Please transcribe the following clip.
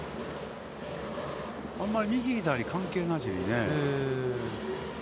あんまり右左関係なしにね。